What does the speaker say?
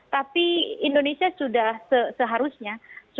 tapi indonesia sudah seharusnya